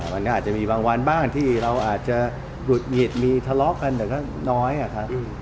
มันก็อาจจะมีบางวันบ้างที่เราอาจจะหลุดหงิดมีทะเลาะกันแต่ก็น้อยอะครับ